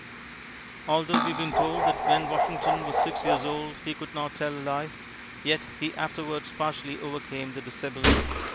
Although we have been told that when Washington was six years old he could not tell a lie, yet he afterwards partially overcame the disability.